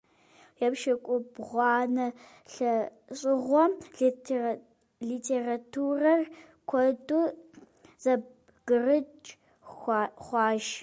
Епщыкӏубгъуанэ лӏэщӏыгъуэм литературэр куэду зэбгырыкӏ хъуащ.